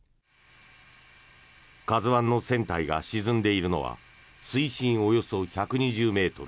「ＫＡＺＵ１」の船体が沈んでいるのは水深およそ１２０ｍ。